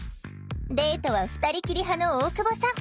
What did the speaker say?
デートは２人きり派の大久保さん。